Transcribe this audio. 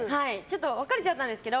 別れちゃったんですけど。